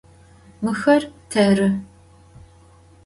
Mıxer terı.